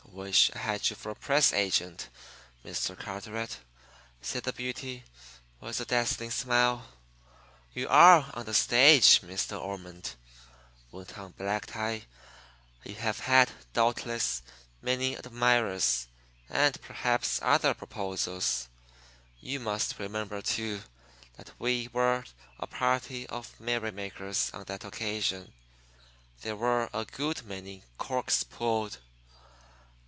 "I wish I had you for a press agent, Mr. Carteret," said the beauty, with a dazzling smile. "You are on the stage, Miss De Ormond," went on Black Tie. "You have had, doubtless, many admirers, and perhaps other proposals. You must remember, too, that we were a party of merrymakers on that occasion. There were a good many corks pulled.